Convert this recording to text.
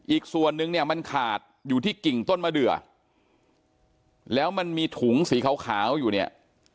อีกส่วนนึงเนี่ยมันขาดอยู่ที่กิ่งต้นมะเดือแล้วมันมีถุงสีขาวอยู่เนี่ย